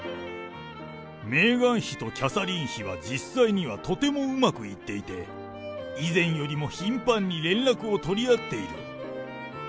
メーガン妃とキャサリン妃は、実際にはとてもうまくいっていて、以前よりも頻繁に連絡を取り合っている。